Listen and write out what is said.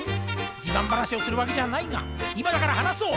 自慢話をするわけじゃないが今だから話そう！